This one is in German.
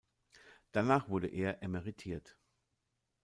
Danach wurde er emeritiert.